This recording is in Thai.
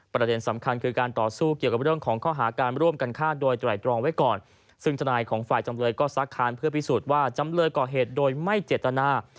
ประเด็นสำคัญคือการต่อสู้เกี่ยวกับเรื่องของข้อหาการร่วมกันฆ่าโดยไตรตรองไว้ก่อนซึ่งทนายของฝ่ายจำเลยก็ซักค้านเพื่อพิสูจน์ว่าจำเลยก่อเหตุโดยไม่เจตนา